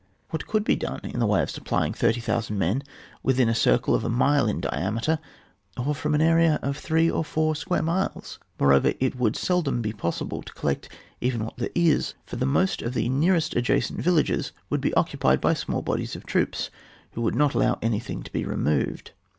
What could be done in the way of supplying 30,000 men, within a circle of a mile in diameter, or from an area of three or four square miles ? Moreover it would seldom be possible to collect even what there is, for the most of the nearest ad jacent villages would be occupied by small bodies of troops, who would not allow any thing to be removed.